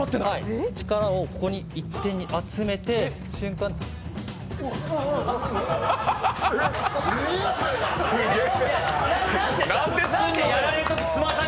力をここに１点に集めて瞬間で。